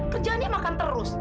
kerjaannya makan terus